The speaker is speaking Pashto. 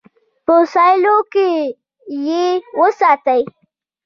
په سیلو کې یې وساتي.